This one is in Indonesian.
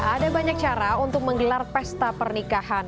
ada banyak cara untuk menggelar pesta pernikahan